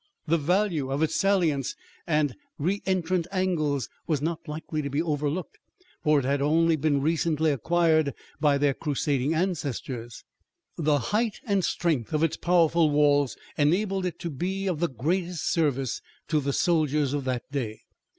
The value of its salients and reëntrant angles was not likely to be overlooked, for it had been only recently acquired by their crusading ancestors. The height and strength of its powerful walls enabled it to be of the greatest service to the soldiers of that day.